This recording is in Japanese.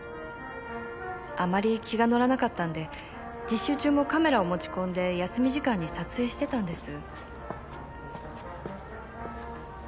あまり気が乗らなかったんで実習中もカメラを持ち込んで休み時間に撮影してたんです。